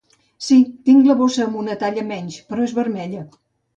Sí, tinc la bossa amb una talla menys, però és vermella.